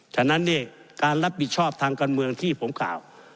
ฉะนั้นเนี่ยการรับผิดชอบทางการเมืองที่ผมกล่าว